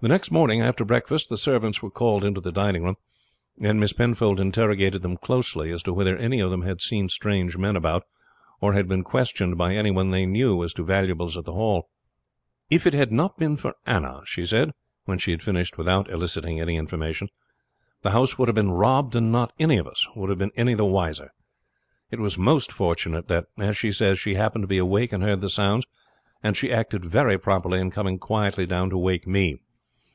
The next morning after breakfast the servants were called into the dining room, and Miss Penfold interrogated them closely as to whether any of them had seen strange men about, or had been questioned by any one they knew as to valuables at the Hall. "If it had not been for Anna," she said, when she had finished without eliciting any information, "the house would have been robbed, and not any of us would have been any the wiser. It was most fortunate that, as she says, she happened to be awake and heard the sounds; and she acted very properly in coming quietly down to wake me.